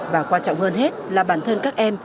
và quan trọng hơn hết là bản thân các em